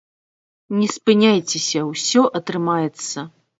Не спыняйцеся, усё атрымаецца.